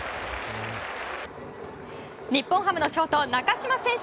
日本ハムのショート、中島選手